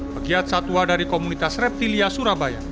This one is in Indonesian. pegiat satwa dari komunitas reptilia surabaya